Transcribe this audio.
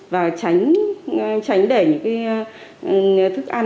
và tránh để những cái thức ăn